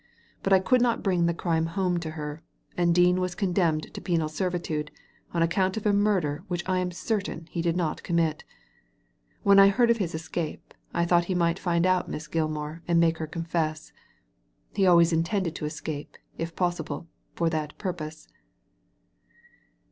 But I could not bring the crime home to her, and Dean was condemned to penal servitude on account of a murder which I am certam he did not commit When I heard of his escape I thought he might find out Miss Gilmar and make her confess. He slways intended to escape, if possible, for that purpose."